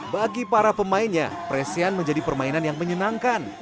bagi para pemainnya presian menjadi permainan yang menyenangkan